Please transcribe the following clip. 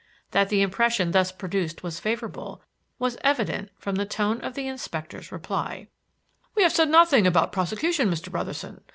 That the impression thus produced was favourable, was evident from the tone of the Inspector's reply: "We have said nothing about prosecution, Mr. Brotherson.